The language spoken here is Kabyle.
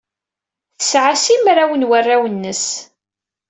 Tesɛa simraw n warraw-nnes.